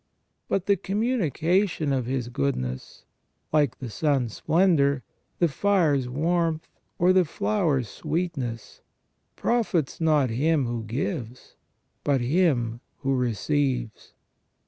But the com munication of His goodness, like the sun's splendour, the fire's warmth, or the flower's sweetness, profits not Him who gives, but him who receives.